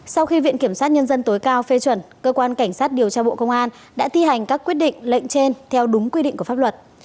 sau khi viện kiểm sát nhân dân tối cao phê chuẩn cơ quan cảnh sát điều tra bộ công an đã thi hành các quyết định lệnh trên theo đúng quy định của pháp luật